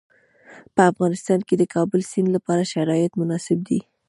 په افغانستان کې د کابل سیند لپاره شرایط مناسب دي.